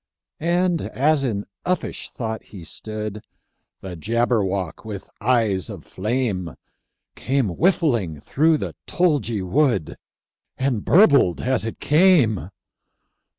And as in uffish thought he stood, The Jabberwock, with eyes of flame, Came whiffling through the tulgey wood, And burbled as it came!